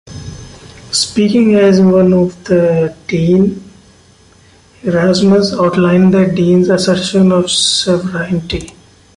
Speaking as one of the Dene, Erasmus outlined the Dene's assertion of sovereignty.